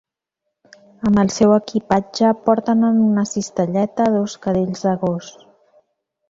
Amb el seu equipatge porten en una cistelleta dos cadells de gos.